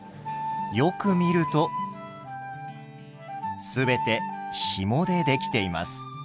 よく見ると全てひもで出来ています。